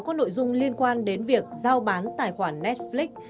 các nội dung liên quan đến việc giao bán tài khoản netflix